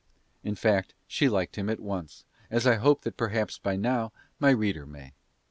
In fact she liked him at once, as I hope that perhaps by now my reader may.